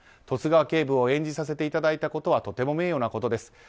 十津川警部を演じさせていただいたことはとても名誉なことです。